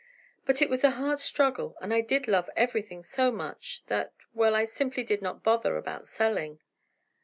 But it was a hard struggle, and I did love everything so much, that—well, I simply did not bother about selling."